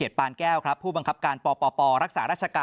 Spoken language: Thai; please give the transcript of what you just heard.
ได้เลยครับท่านครับวันนี้ขอบพระคุณครับท่านครับสวัสดีครับ